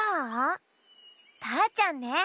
ターちゃんね。